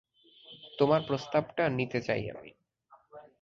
তোমার প্রস্তাবটা নিতে চাই আমি।